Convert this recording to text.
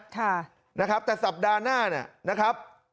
ค่ะนะครับแต่สัปดาห์หน้าเนี่ยนะครับ